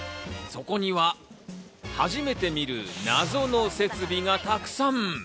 そこには、初めて見る謎の設備がたくさん。